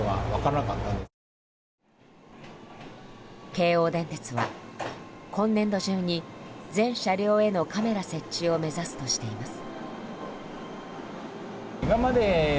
京王電鉄は、今年度中に全車両へのカメラ設置を目指すとしています。